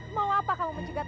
mau apa kamu menjegat